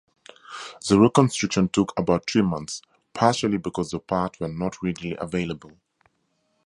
The reconstruction took about three months, partially because the parts were not readily available.